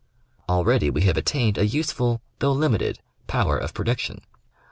Already we have attained a useful, though limited, power of prediction.